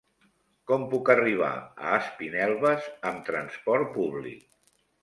Com puc arribar a Espinelves amb trasport públic?